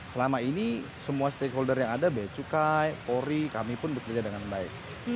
selama ini semua stakeholder yang ada becukai polri kami pun bekerja dengan baik